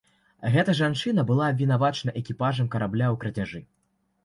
Гэта жанчына была абвінавачана экіпажам карабля ў крадзяжы.